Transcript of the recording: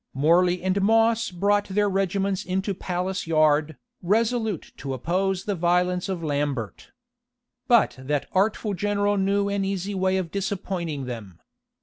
Morley and Moss brought their regiments into Palace yard, resolute to oppose the violence of Lambert. But that artful general knew an easy way of disappointing them.